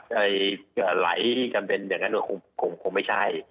หลายกันเป็นอย่างนั้นดูว่าคงไม่ใช่